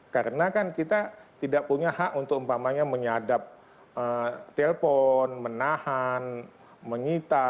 karena kan kita tidak punya hak untuk menyadap telpon menahan mengita